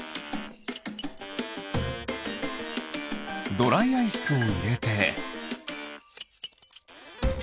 ドライアイスをいれて。